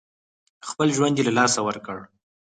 خپل ژوند یې له لاسه ورکړ.